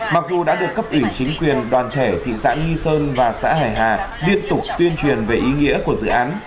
mặc dù đã được cấp ủy chính quyền đoàn thể thị xã nghi sơn và xã hải hà liên tục tuyên truyền về ý nghĩa của dự án